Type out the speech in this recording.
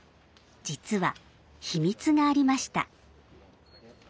実は、秘密がありました。